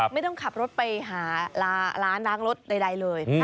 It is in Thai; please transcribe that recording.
ไม่ต้องขับรถไปหาร้านล้างรถใดเลย